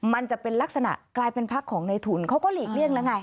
มันจะเป็นลักษณะกลายเป็นพักของในทุนเขาก็หลีกเลี่ยงแล้วไง